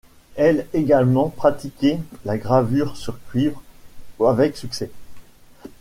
Elle également pratiqué la gravure sur cuivre avec succès.